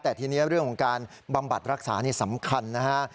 แต่ทีนี้เรื่องของการบำบัดรักษานี่สำคัญนะฮะ